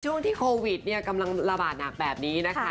ช่วงที่โควิดกำลังระบาดหนักแบบนี้นะคะ